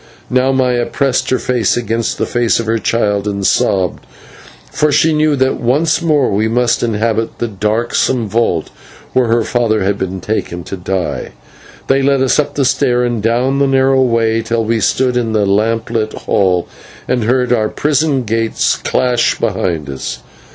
Now Maya pressed her face against the face of her child and sobbed, for she knew that once more we must inhabit the darksome vault where her father had been taken to die. They led us up the stair and down the narrow way, till we stood in the lamp lit hall, and heard our prison gates clash behind us.